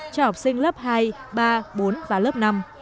cho học sinh lớp hai ba bốn và lớp năm